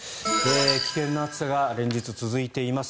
危険な暑さが連日続いています。